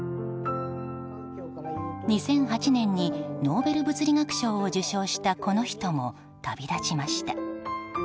２００８年にノーベル物理学賞を受賞したこの人も旅立ちました。